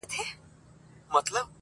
ددې سايه به ،پر تا خوره سي.